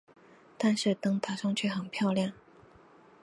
但是灯打上去很漂亮